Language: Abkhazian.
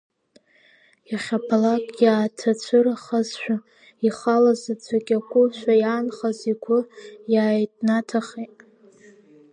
Иахьабалак иааҭацәырахазшәа, ихала заҵәык иакәушәа иаанхаз, игәы иааинаҭахит.